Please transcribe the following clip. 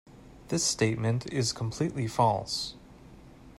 This statement is completely false.